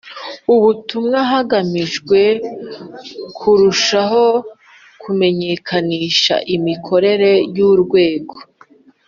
ubutumwa hagamijwe kurushaho kumenyekanisha imikorere y Urwego